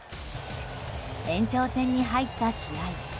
延長戦に入った試合。